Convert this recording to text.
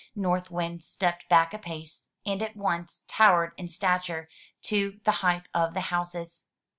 North Wind stepped back a pace, and at once towered in stature to the height of the houses.